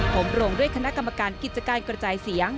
ผมโรงด้วยคณะกรรมการกิจการกระจายเสียง